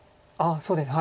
そうですね。